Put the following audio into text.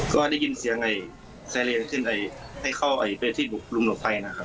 ก็ได้ยินเสียงแซเรนให้เข้านอนไฟ